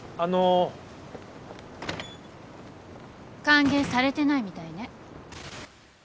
歓迎されてないみたいね。